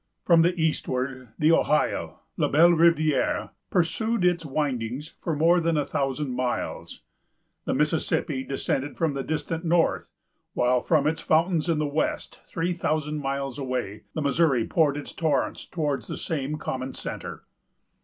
From the eastward, the Ohio——La Belle Rivière——pursued its windings for more than a thousand miles. The Mississippi descended from the distant north; while from its fountains in the west, three thousand miles away, the Missouri poured its torrent towards the same common centre.